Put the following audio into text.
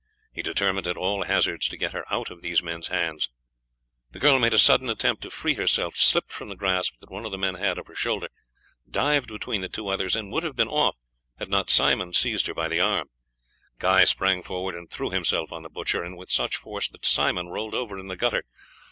He determined at all hazards to get her out of these men's hands. The girl made a sudden attempt to free herself, slipped from the grasp that one of the men had of her shoulder, dived between two others, and would have been off had not Simon seized her by the arm. Guy sprung forward and threw himself on the butcher, and with such force that Simon rolled over in the gutter.